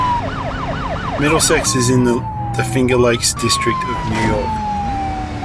Middlesex is in the Finger Lakes District of New York.